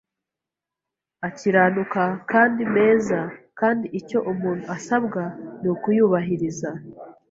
akiranuka kandi meza; kandi icyo umuntu asabwa ni ukuyubahiriza